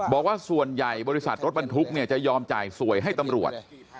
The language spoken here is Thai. บอกว่าส่วนใหญ่บริษัทรถบรรทุกจะยอมจ่ายสวยให้ตำรวจ